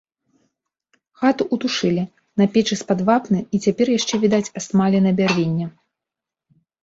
Хату ўтушылі, на печы з-пад вапны і цяпер яшчэ відаць асмаленае бярвенне.